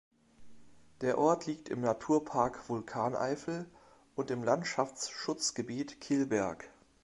Der Ort liegt im Naturpark Vulkaneifel und im Landschaftsschutzgebiet „Kelberg“.